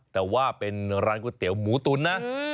แต่ว่าเป็นร้านก๋วยเตี๋ยวหมูตุ๋นนะ